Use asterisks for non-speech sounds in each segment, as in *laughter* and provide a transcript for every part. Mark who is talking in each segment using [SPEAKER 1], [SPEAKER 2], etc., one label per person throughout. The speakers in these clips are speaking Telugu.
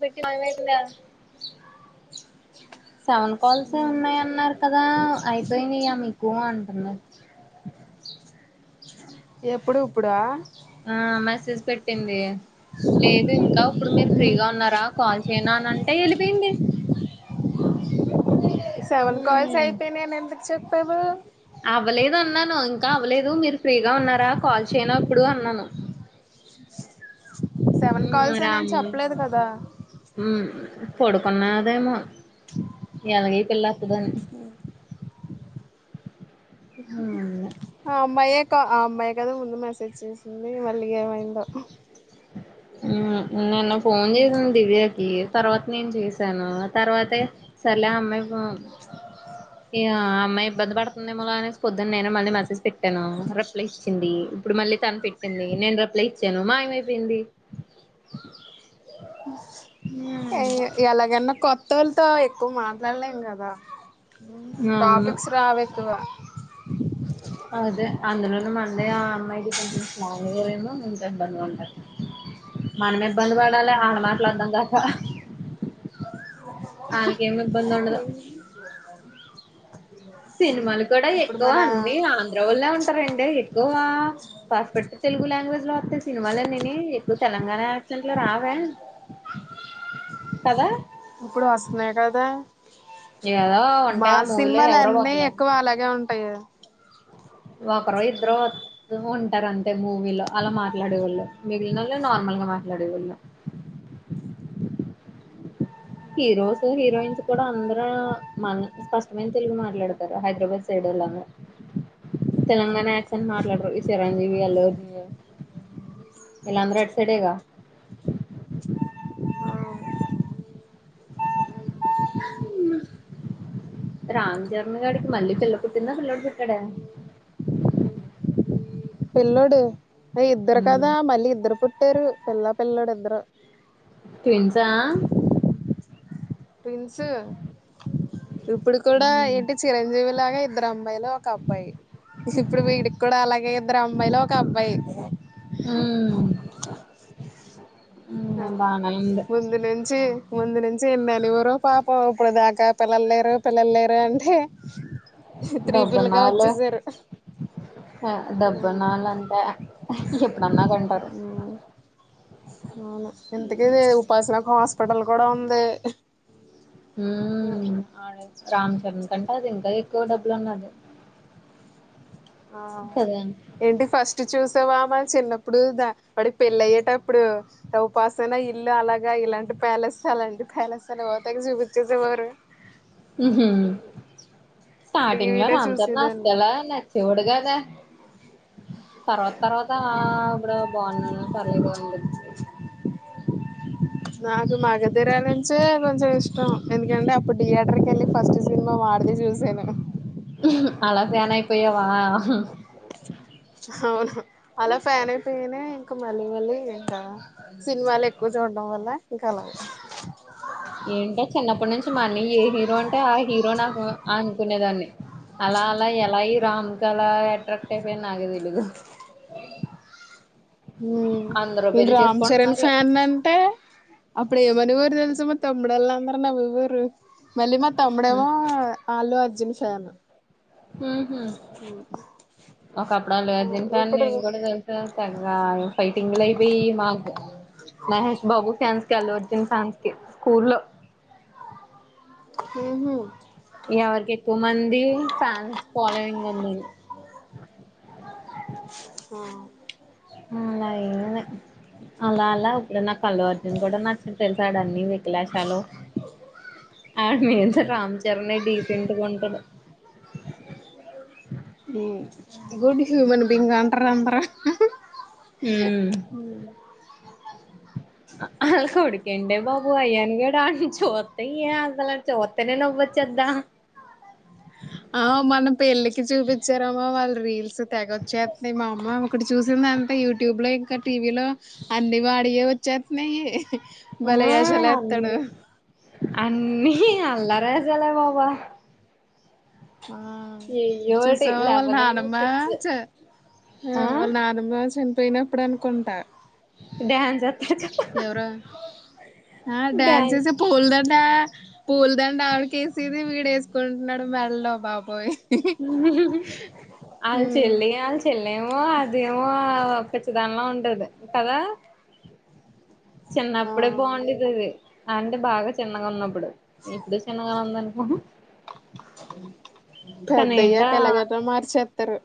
[SPEAKER 1] పెట్టి *unintelligible* సెవెన్ కాల్సే ఉన్నయన్నార్ కదా. అయ్పోయ్నియ మీకూ అంటున్న.
[SPEAKER 2] ఎప్పుడు ఉప్పుడా.
[SPEAKER 1] ఆ మెసేజ్ పెట్టింది లేదు ఇంక ఉప్పుడ్ మీర్ ఫ్రీగా ఉన్నారా కాల్ చేయ్నా అనంటే యెళ్ళపోయ్ంది.
[SPEAKER 2] సెవెన్
[SPEAKER 1] మ్మ్
[SPEAKER 2] కాల్సైపెయ్నాయనెందుక్ చెప్ *unintelligible*
[SPEAKER 1] అవ్వలేదు అన్నాను ఇంకా అవ్వలేదు మీరు ఫ్రీగా ఉన్నారా కాల్ చేయన ఉప్పుడు అన్నాను.
[SPEAKER 2] సెవెన్
[SPEAKER 1] మ్మ్
[SPEAKER 2] కాల్స్ అనేం
[SPEAKER 1] రామ్మ
[SPEAKER 2] చెప్పలేద్ కద.
[SPEAKER 1] పొడుకున్నాదేమొ ఎలగే ఈ పిళ్ళప్పదు అని. *unintelligible*
[SPEAKER 2] ఆ అమ్మాయే క ఆ అమ్మాయే కదా ముందు మెసేజ్ చేసింది మళ్ళీ ఏమైందో.
[SPEAKER 1] ఉమ్ నన్నాఫ్ ఫోన్ జేసింద్ దివ్యాకి. తర్వాత నేన్ జేసాను తర్వాతే సర్లే ఆ అమ్మాయ్ ఫో చ్ ఏ అ అమ్మాయ్ ఇబ్బంది పడుతుందేమోలే అనేసి పొద్దున్ నేనే మళ్ళీ మెసేజ్ పెట్టాను రిప్లై ఇచ్చింది. ఇప్పుడు మళ్ళీ తను పెట్టింది. నేను రిప్లై ఇచ్చాను. మాయమై. పేంది
[SPEAKER 2] ఎ ఎలాగన్న కొ ట్టోల్తో ఎక్కువ్ మాట్లాల్లేం కద. ఉమ్ టాపిక్స్ రావెక్కువ.
[SPEAKER 1] అదె అందులోను మన్ దే ఆ అమ్మాయ్డి కొంచెం స్లా మనమె ఇబ్బంది పడాలె ఆడ మాట్లా అర్దం గాక. ఇబ్బంది ఉండదు
[SPEAKER 2] ఈ
[SPEAKER 1] సినిమాలు కూడా ఎక్కువ
[SPEAKER 2] మన
[SPEAKER 1] అన్ని ఆంధ్ర వాళ్ళె ఉంటారండె ఎక్కువా పర్పెక్ట్ తెలుగు లాంగ్వేజ్లొ వొత్తాయ్ సినిమాలన్నీని ఎక్కు. తెలంగాణా యాక్సెంట్లొ రావే కద.
[SPEAKER 2] ఇప్పుడు వస్తున్నాయ్ కదా.
[SPEAKER 1] ఏదో ఉంటాయి ఆ మూవీలో ఎవరో
[SPEAKER 2] మాస్సినిమాలన్నీ ఎక్కువ అలాగే ఉంటాయ్ గద.
[SPEAKER 1] వకరో ఇద్ద్రో *unintelligible* ఉంటారంతె మూవీలో అలా మాట్లాడేవొళ్ళు మిగిల్నొల్లె నార్మల్గ మాట్లాడేవొళ్ళు. హీరోస్ హీరోయిన్స్ కూడా అందరూ మన స్పష్టమైన్ తెలుగు మాట్లాడ్తార హైద్రాబాద్ సైడోల్లమొ తెలంగాణ యాక్సన్ మాట్లడిరు ఈ సిరంజీవి అల్లు అర్విందు వీల్లందరూ అట్ సైడేగా. రామ్ చరణ్ గాడికి మళ్ళీ పిల్ల పుట్టిందా పిల్లోడు పుట్టాడా.
[SPEAKER 2] పిల్లోడె ఎ ఇద్దరు కదా మళ్ళీ ఇద్దరు పుట్టారు. పిల్లా పిల్లడు ఇద్దరు
[SPEAKER 1] ట్విన్సా?
[SPEAKER 2] ట్విన్సు. ఇప్పుడు కూడా
[SPEAKER 1] ఉమ్
[SPEAKER 2] ఏంటి చిరంజీవి లాగా ఇద్దరు అమ్బయిలు ఒక అబ్బాయి. ఇప్పుడు వీడిక్కూడా అలా ఈద్దరమ్మాయిలు ఒక్
[SPEAKER 1] మ్మ్
[SPEAKER 2] ఆ ముందు నుంచి ముందు నుంచి ఎన్ననెవారో, పాపం ఇప్పుడు దాకా పిల్లల్లేరు పిల్లల్లేరు అంటే త్రీ పిల్లకాయ్
[SPEAKER 1] డబ్బున్నోళ్ళు
[SPEAKER 2] వచ్చేసారు. మ్
[SPEAKER 1] డబ్బున్నోళ్ళు అంటే ఎప్పుడన్నా కొంటారు
[SPEAKER 2] మ్మ్ అవును ఇంతకీ ఉపాసన హాస్పిటల్ కూడా ఉంది
[SPEAKER 1] మ్మ్మ్ రామ్చంద్ అంటే అది ఇంకా ఎక్కువ డబ్బులన్నాది.
[SPEAKER 2] ఆ ఏంటి ఫస్ట్ చూస్ తె వామ చిన్నప్పుడు దా వాడికి పెళ్ళి అయ్యేటప్పుడు ఉపాసన ఇల్లు అలాగ, ఇలాంటి ప్యాలెస్, అలాంటి ప్యాలెస్, తర్వాత తెగ చూపించేసేవారు.
[SPEAKER 1] మ్మ్ హు స్టార్టింగ్ లో
[SPEAKER 2] టీవీలో
[SPEAKER 1] రామ్ చరణ్
[SPEAKER 2] చూసేదాన్ని
[SPEAKER 1] వస్తలా నచ్చేవాడు కాద తర్వాత తర్వాత ఇప్పుడు బాగున్నా పర్లేదు అని చెప్పి
[SPEAKER 2] నాకు మగధిర నుంచే కొంచెం ఇష్టం. ఎందుకంటే అప్పుడు థియేటర్ కెళ్ళి ఫస్ట్ సినిమా వాడిదె చూసాను.
[SPEAKER 1] అలా ఫ్యానయిపోయావా?
[SPEAKER 2] అవును. అలా ఫ్యాన్ అయిపోయనే ఇంక మళ్ళీ మళ్ళీ ఇంకా సినిమాలు ఎక్కువ చూడ్డం వల్ల ఇంకలాగ
[SPEAKER 1] మని ఏ హీరోయిన్ అ ఆ హీరో నాకు అనుకునేదాన్ని అలా అలా ఎలా ఈ రామ్ కెలాగ్ అట్రాక్ట్ అయిపోయిన్నాగే తెలీదు.
[SPEAKER 2] మ్మ్
[SPEAKER 1] అందరూ
[SPEAKER 2] నేన్
[SPEAKER 1] పెళ్లి
[SPEAKER 2] రామ్ చరణ్
[SPEAKER 1] చేసుకుంటున్నారు
[SPEAKER 2] ఫ్యాన్నంటే అప్పుడేమనె వారు తెలుస్ స మా తమ్ముడల్ అందరు నవ్వేవారు. మళ్లీ మా తమ్ముడేమో అల్లొ అర్జున్ ఫ్యాన్.
[SPEAKER 1] మ్మ్ హు ఒకప్పుడు అల్లు అర్జున్ ఫ్యాన్
[SPEAKER 2] ఇప్పుడు
[SPEAKER 1] నేను కూడ తెలుసా! పన్ ఆ ఫైటింగ్ లయిపోయి మాక్ మహేష్ బాబు ఫ్యాన్స్ కి అల్లు అర్జున్ ఫ్యాన్స్ కె స్కూల్లో
[SPEAKER 2] మ్మ్ హు
[SPEAKER 1] ఎవరికి ఎక్కువ మంది ఫ్యాన్స్ ఫాలోయింగ్ ఉందని
[SPEAKER 2] ఆ
[SPEAKER 1] అలా అలా ఇప్పుడు నా అల్లు అర్జున్ కూడా నచ్చు తెల్స్ సాడు అన్ని వికలాశాలు ఆడ్ నేమ్సే రామ్ చరణ్ నే డీసెంట్గా ఉంటడు.
[SPEAKER 2] గుడిసు మన బింగా అంటారు అందర
[SPEAKER 1] ఉమ్
[SPEAKER 2] హు
[SPEAKER 1] ఆలా కొడుకు ఎంటే బాబు అయ్యానుగాడు ఆడిని చూత్తేనే నవ్వు వచ్చేద్దా
[SPEAKER 2] కి చూపించారమ్మా వాళ్ళు రీల్స్ తెగ వచ్చేస్తున్నాయి. మా అమ్మ ఒకటి చూసింది అంతా యూట్యూబ్ లో, ఇంకా టీవీలో, అన్ని వాడియే వచ్చేస్తున్నాయి. భలే ఎసలేత్తాడు
[SPEAKER 1] అన్నీ అల్లార సలే వాబ
[SPEAKER 2] ఆ
[SPEAKER 1] ఏయ్యోటి
[SPEAKER 2] చూసావా వాళ్ళ
[SPEAKER 1] లేకపోతే నేమో
[SPEAKER 2] నానమ్మ
[SPEAKER 1] పిచ్చి
[SPEAKER 2] చ హు
[SPEAKER 1] ఆ
[SPEAKER 2] వాళ్ళ నానమ్మ చన్ పోయినప్పుడు అనుకుంటా
[SPEAKER 1] డ్యాన్
[SPEAKER 2] ఎవరో ఆ డాన్సస్
[SPEAKER 1] డ్యాన్స్
[SPEAKER 2] పోల్ందంట పూలదండ ఆవిడిక వేసిది వీడ వేసుకుంటున్నాడు మెల్లో బాబోయి
[SPEAKER 1] అళ
[SPEAKER 2] ఉమ్
[SPEAKER 1] చెల్లి ఆలు చెల్లి ఏమో అదేమో ఖచ్చితంలా ఉంటది కదా
[SPEAKER 2] ఆ
[SPEAKER 1] చిన్నప్పుడే బాగుండేది అది అంటే బాగా చిన్నగా ఉన్నప్పుడు ఇప్పుడు చిన్నగానే ఉంద అనుకో
[SPEAKER 2] పెద్దయ్యక ఎలగట మాట చెప్తారు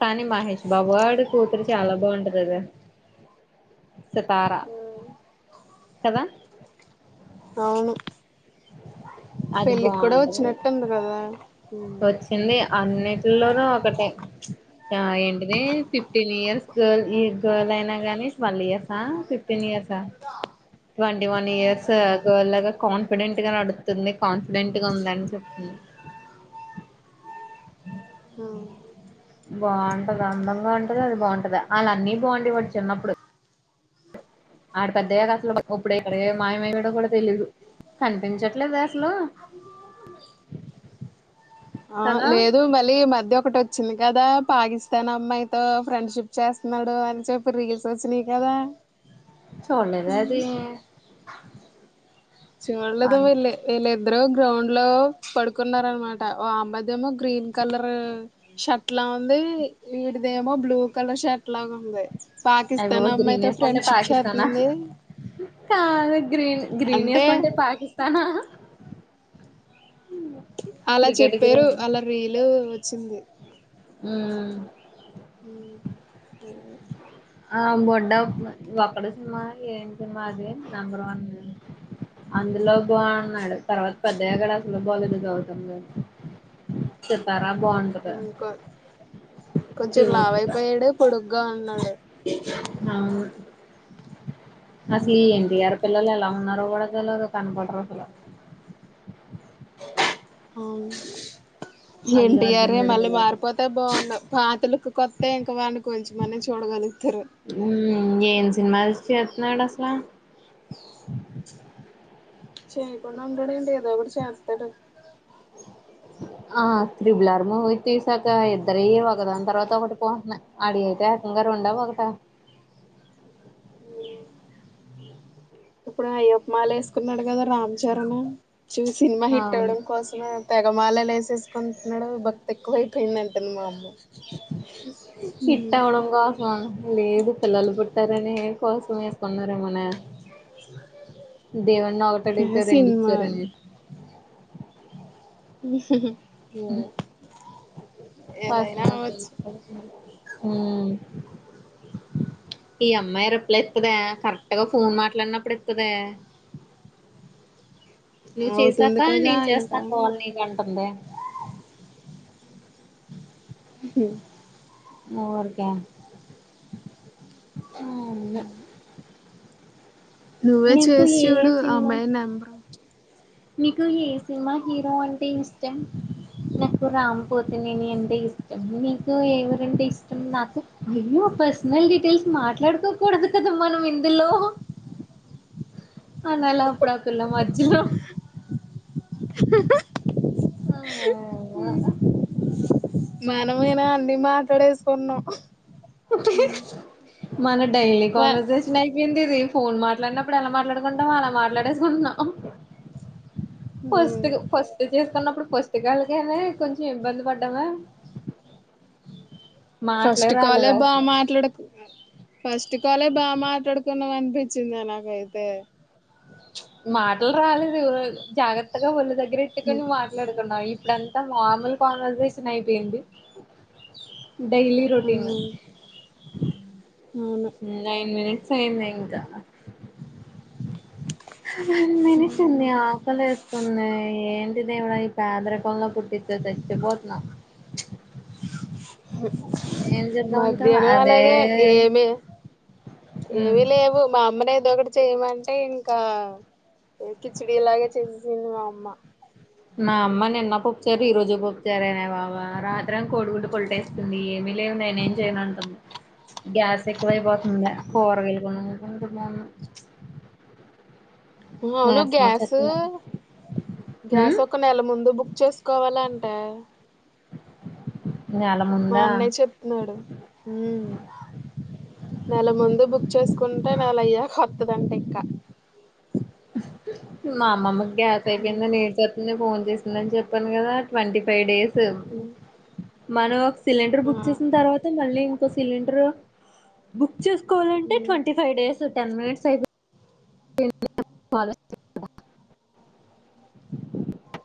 [SPEAKER 1] కానీ మహష్ గాడు కూతురు చాలా బాగుంటది కదా సతారా కాద
[SPEAKER 2] అవును
[SPEAKER 1] అది
[SPEAKER 2] పెళ్ళికి కూడా
[SPEAKER 1] బాగుంటది
[SPEAKER 2] వచ్చినట్టు ఉంది కదా ఉ
[SPEAKER 1] వచ్చింది అన్నింటిలోనూ ఒకటే ఏంటిది ఫిఫ్టీన్ ఇయర్స్ గర్ల్ ఈ గర్ల్ అయినా గాని ట్వెల్వ్ ఇయర్సా fifteen years twenty one years *unintelligible* confident గా నడుతుంది కాన్ఫిడెంట్ గా ఉందని చెప్తుంది
[SPEAKER 2] అ
[SPEAKER 1] బాగుంటది అందంగా ఉ కదా అది బాగుంటదాఅలా ఆళ్ల అన్నయ్య బాగుండే వాడు చిన్నప్పుడు ఆడు పెద్దయ్యాక అసలు ఇప్పుడు ఎక్కడ మాయమయడో కూడా తెలీదు కనిపించట్లేదు అసలు
[SPEAKER 2] *inaudible* ఆ
[SPEAKER 1] కదా
[SPEAKER 2] లేదు మళ్ళీ మధ్య ఒకటి వచ్చింది కదా పాకిస్తాన్ అమ్మాయితో ఫ్రెండ్షిప్ చేస్తున్నాడు అని చెప్పి రీల్స్ వచ్చినాయి కదా
[SPEAKER 1] చూలేద అది
[SPEAKER 2] చూడలేదు *unintelligible* అందరు గ్రౌండ్ లో పడుకున్నార అనమాట ఓ అమ్మదిమో గ్రీన్ కలర్ షర్ట్ లా ఉంది వీడిదేమో బ్లూ కలర్ షర్ట్ లా ఉంది పాకిస్తాన్
[SPEAKER 1] *unintelligible* గ్రీన్
[SPEAKER 2] అమ్మాయితో
[SPEAKER 1] వేసుకుంటే
[SPEAKER 2] ఫ్రెండ్షిప్
[SPEAKER 1] పాకిస్తానా
[SPEAKER 2] చేస్తుంది
[SPEAKER 1] కాదు గ్రీన్ గ్రీన్
[SPEAKER 2] అంటే
[SPEAKER 1] వేసుకుంటే పాకిస్తానా
[SPEAKER 2] అలా
[SPEAKER 1] క్రికెట్
[SPEAKER 2] చెప్పారు
[SPEAKER 1] గ్రీన్
[SPEAKER 2] అలా రీలు వచ్చింది
[SPEAKER 1] మ్మ్
[SPEAKER 2] *inaudible*
[SPEAKER 1] ఆ బొడ్డ ఒటి సినిమా ఏ సినిమా అది నెంబర్ వన్ అందులో బాగున్నాడు తర్వాత పెద్ద *unintelligible*
[SPEAKER 2] కొ కొంచెం లావు
[SPEAKER 1] క్యూట్ గా
[SPEAKER 2] అయిపోయాడు పొడుగ్గా ఉన్నాడు
[SPEAKER 1] అవును అసలీ యన్టీఆర్ పిల్లలు ఎలా *unintelligible* కూడా తెలవదు కనపడురు అసలా అల్లు
[SPEAKER 2] యన్టీఆర్
[SPEAKER 1] అర్జున్ కూడా
[SPEAKER 2] మళ్ళీ
[SPEAKER 1] తెలవదు
[SPEAKER 2] మారిపోతే బాగున్నా పాతలు కొత్తె ఇంక *unintelligible* చూడగలుగుతారు
[SPEAKER 1] హ్మ్ ఏమ్ సినిమా *unintelligible* *unintelligible* అసలా
[SPEAKER 2] చేయకుండా ఉండడండి. ఏదో ఒకటి చేత్తాడు.
[SPEAKER 1] ఆ త్రిబుల్ఆర్ మూవీ తీసాక ఇద్దరీ ఒకదాని తర్వాత ఒక. *unintelligible* రెండా ఒకటా
[SPEAKER 2] ఇప్పుడు అయ్యప్ప మాల వేసుకున్నాడు కదా రామ్ చరణ్. చూ సినిమా హిట్
[SPEAKER 1] అవును
[SPEAKER 2] అవ్వడం కోసమే తెగ మాలలు వేసేసుకుంటున్నాడు భక్తి ఎక్కువైపోయింద
[SPEAKER 1] హిట్
[SPEAKER 2] అమ్మ
[SPEAKER 1] అవడం కోసమా లేదు పిల్లలు పుట్టారనే కోసం. *unintelligible* దేవున్ని ఒకటి అడిగితే
[SPEAKER 2] సినిమా
[SPEAKER 1] రెండిచ్చారని. హ్మ్
[SPEAKER 2] ఏదైనా
[SPEAKER 1] పర్స్నల్స్
[SPEAKER 2] అవచ్చు
[SPEAKER 1] *unintelligible* ఈ అమ్మాయి రిప్లై ఇత్తదా, కరెక్ట్ గా ఫోన్ మాట్లాడినప్పుడు ఇత్తదా. నువ్వు చేసాక
[SPEAKER 2] అవుతుంది కదా
[SPEAKER 1] నేను చేస్తా
[SPEAKER 2] ఇంకా
[SPEAKER 1] కాల్ నీకు అంటుంది..
[SPEAKER 2] హు మ్మ్
[SPEAKER 1] ఊర్కే ఆ ఉంది.
[SPEAKER 2] నువ్వే చేసి
[SPEAKER 1] ఏ
[SPEAKER 2] చూడు ఆ అమ్మాయి నెంబర్.
[SPEAKER 1] నీకు ఏ సినిమా హీరో అంటే ఇష్టం. రామ్ పోతినేని అంటే ఇష్టం. నీకు ఎవరంటే ఇష్టం నాకు అయ్యో పర్సనల్ డీటెయిల్స్ మాట్లాడుకోకూడదు. కదా మనం ఇందులో అలా అలా అప్పుడవుతున్న మజ్జలో. ఆ ఆ
[SPEAKER 2] మనమైనా అన్ని మాట్లాడేసుకున్నాం.
[SPEAKER 1] మన డైలీ
[SPEAKER 2] వా
[SPEAKER 1] కాన్వర్జేషన్. ఏందిది ఫోన్ మాట్లాడినప్పుడు ఎలా మాట్లాడుకుంటాం, అలా మాట్లాడేసుకుంటున్నాం. First first. చదువుకున్నప్పుడు పుస్తకాలకని కొంచెం ఇబ్బంది పడ్డామా. మాటలే
[SPEAKER 2] ఫస్ట్ కాలే
[SPEAKER 1] రాలేదు
[SPEAKER 2] బా
[SPEAKER 1] అసలు
[SPEAKER 2] మాట్లాడకు ఫస్ట్ కాలే బా మాట్లాడుకున్నాం అనిపించిందే నాకైతే.
[SPEAKER 1] చ్ మాటలు రాలేదు. జాగ్రత్తగా ఒల్లు దగ్గ రెట్టుకొని మాట్లాడుకున్నాం ఇప్పుడు. మామూలు కాన్వర్జేషన్ అయిపోయింది. Daily routine.
[SPEAKER 2] అవును
[SPEAKER 1] నైన్ మినిట్స్ అయిందే అ వన్ మనిట్ంది ఆకలి లే ఉన్నాయి. ఏంటి దేవుడ ఈ పేదరికంలో పుట్టించ చచ్చిపోతున్నాం. ఏం చేద్దామంటావ్
[SPEAKER 2] మధ్యాహ్నం
[SPEAKER 1] అదే
[SPEAKER 2] అలాగే ఏమి ఏమి లేవు. మా అమ్మనే ఇదొకటి చేయమంటే ఇంకా కిచిడి లాగే చేసేసింది. మా అమ్మ
[SPEAKER 1] మా అమ్మా నిన్న పప్పుచారే ఈ రోజు పప్పుచారెనే బాబు ఆ మాం కోడు గుడ్డు కొలటేస్తుంది ఏ నేనేం చేయనుంటంది గ్యాస్ ఎక్కువైపో కూరగాయలు కోన్ రడు మేమ్ *unintelligible*
[SPEAKER 2] అవును గ్యాస్ గ్యాస్ ఒక నెల ముందు బుక్ చేసుకోవాలంట.
[SPEAKER 1] నెల
[SPEAKER 2] మా
[SPEAKER 1] ముందా
[SPEAKER 2] అన్నయ చెప్తున్నాడు. ఉమ్ నెల ముందు బుక్ చేసుకుంటే నెల అయ్యాక వాతాదంట, ఇంకా
[SPEAKER 1] మా అమ్మమ్మ గ్యాస్ అయిపోయిందని ఏడ్చేతుంది ఫోన్, చేసిందని చెప్పాను కదా ట్వంటీ ఫైవ్ డేస్ స్
[SPEAKER 2] ఉ
[SPEAKER 1] మను అఫ్ సిలిండర్ బుక్
[SPEAKER 2] ఆ
[SPEAKER 1] చేసిన తర్వాత మళ్ళీ, సిలిండరు బుక్ చేసుకోవాలంటే
[SPEAKER 2] ఉమ్
[SPEAKER 1] twenty five days ten minutes అయి *unintelligible*